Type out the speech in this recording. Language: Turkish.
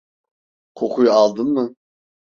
Kokuyu aldın mı?